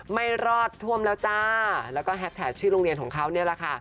ไม่รอดท่วมแล้วจ้าแล้วก็แฮดแท็กชื่อโรงเรียนของเขาเนี่ยแหละค่ะ